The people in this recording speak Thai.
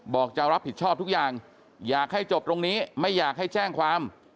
จะรับผิดชอบทุกอย่างอยากให้จบตรงนี้ไม่อยากให้แจ้งความ